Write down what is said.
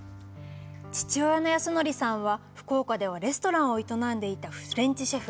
父親の康典さんは福岡ではレストランを営んでいたフレンチシェフ。